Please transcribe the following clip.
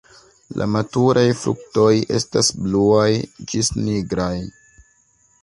La maturaj fruktoj estas bluaj ĝis nigraj.